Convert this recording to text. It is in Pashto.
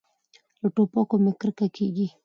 له ټوپکو مې کرکه کېږي.